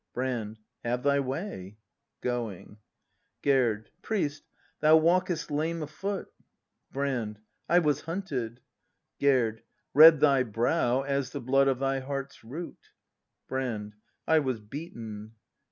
Brand. Have thy way! Gerd. Priest, thou walkest lame afoot. Brand. I was hunted. Gerd. Red thy brow As the blood of thy heart's root! Brand. I was beaten.